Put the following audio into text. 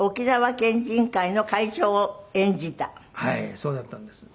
そうだったんです。